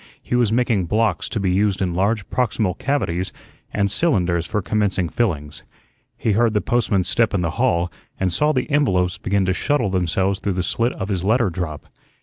He was making "blocks" to be used in large proximal cavities and "cylinders" for commencing fillings. He heard the postman's step in the hall and saw the envelopes begin to shuttle themselves through the slit of his letter drop.